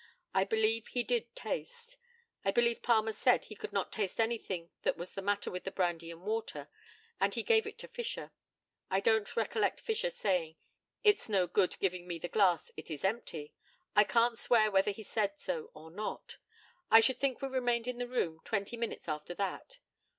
I believe he did taste. I believe Palmer said he could not taste anything that was the matter with the brandy and water, and he gave it to Fisher. I don't recollect Fisher saying, "It's no good giving me the glass it is empty." I can't swear whether he said so or not. I should think we remained in the room twenty minutes after that.